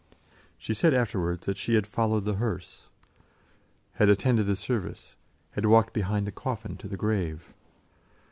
She said afterwards that she had followed the hearse, had attended the service, had walked behind the coffin to the grave.